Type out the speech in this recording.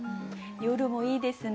「夜」もいいですね。